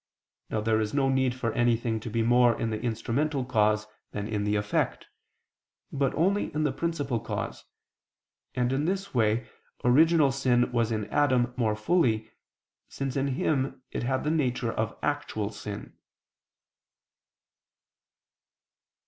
Now there is no need for anything to be more in the instrumental cause than in the effect; but only in the principal cause: and, in this way, original sin was in Adam more fully, since in him it had the nature of actual sin.